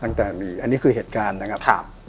ตั้งแต่มีอันนี้คือเหตุการณ์นะครับ